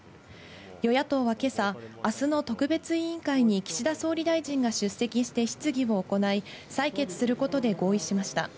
与野党は今朝、明日の特別委員会に岸田総理大臣が出席して質疑を行い、採決することで合意しました。